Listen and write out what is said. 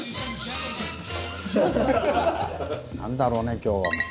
何だろうね今日は。